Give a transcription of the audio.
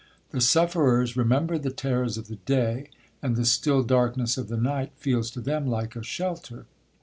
The sufferers remember the terrors of the day, and the still darkness of the night feels to them like a shelter.